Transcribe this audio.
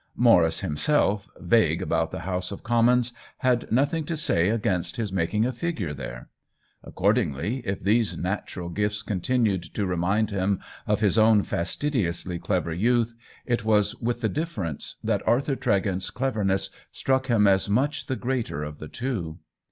Mau rice himself, vague about the House of Commons, had nothing to say against his making a figure there. Accordingly, if these natural gifts continued to remind him of his own fastidiously clever youth, it was with the difference that Arthur Tregent's cleverness struck him as much the greater of the two.